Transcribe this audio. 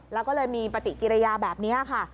แล้วก็เลยมีปฏิกิริยาแบบนี้ค่ะ